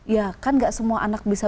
ya kan gak semua anak bisa